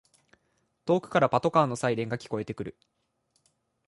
遠くからパトカーのサイレンが聞こえてくる